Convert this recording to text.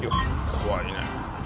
怖いねえ。